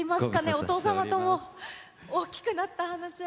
お父様とも、大きくなったはなちゃん。